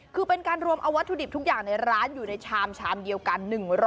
คือเป็นการรวมเอาวัตถุดิบทุกอย่างในร้านอยู่ในชามชามเดียวกัน